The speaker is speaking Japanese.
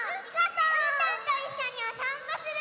うーたんといっしょにおさんぽする！